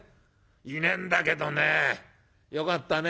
いねえんだけどねよかったね